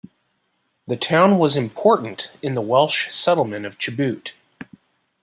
The town was important in the Welsh settlement of Chubut.